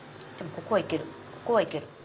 ここはいける。